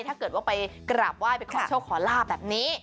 ถ้าเกิดว่าไปกราบไหว้ไปขอโชคขอลาบแบบนี้